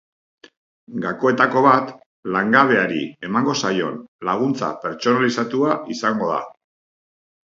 Gakoetako bat langabeari emango zaion laguntza pertsonalizatua izango da.